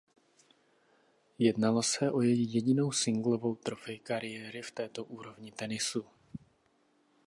Jednalo se o její jedinou singlovou trofej kariéry v této úrovni tenisu.